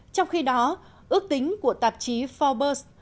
trong khi đó ước tính của tạp chí forbes